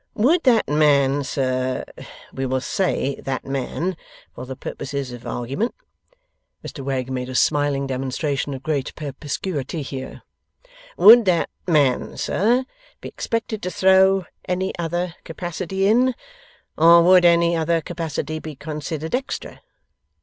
Would that man, sir we will say that man, for the purposes of argueyment;' Mr Wegg made a smiling demonstration of great perspicuity here; 'would that man, sir, be expected to throw any other capacity in, or would any other capacity be considered extra?